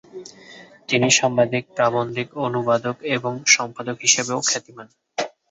তিনি সাংবাদিক, প্রাবন্ধিক, অনুবাদক এবং সম্পাদক হিসাবেও খ্যাতিমান।